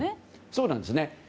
そうなんですね。